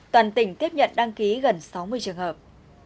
toàn tỉnh tiếp nhận đăng ký gần sáu mươi trường hợp